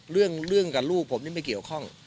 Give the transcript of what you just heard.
เรื่องกับลูกผมนี่ไม่เกี่ยวข้อง